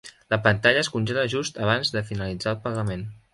La pantalla es congela just abans de finalitzar el pagament.